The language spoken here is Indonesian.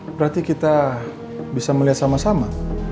berarti kita bisa melihat sama sama